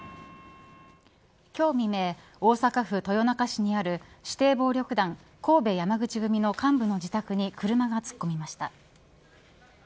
今日未明、大阪府豊中市にある指定暴力団神戸山口組の幹部の自宅に車が突っ込みました。